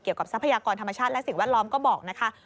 เกี่ยวกับทรัพยากรธรรมชาติและสิ่งวัดล้อมก็บอกนะคะ